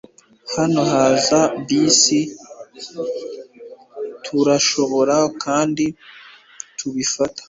Hano haza bus. Turashobora kandi kubifata.